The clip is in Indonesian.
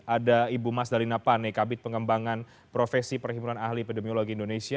ada ibu mas dalina pane kabit pengembangan profesi perhimpunan ahli epidemiologi indonesia